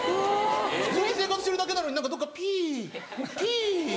普通に生活してるだけなのに何かどっかピピピ。